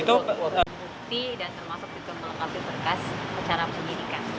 itu bukti dan termasuk kecuali perkas acara penyelidikan